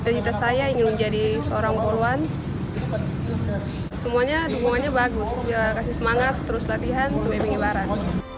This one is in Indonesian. ya kasih semangat terus latihan sampai mengibaran